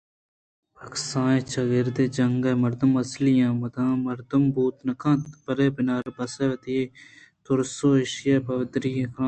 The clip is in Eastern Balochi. پہ کسانیں چہرگے ءِ جَنگ ءَ مردم اصلی ایں مردم بوت نہ کنت بلئے بناربس وتی ترس ءَ ایشی ءَ پہ ردی کلام پہمیت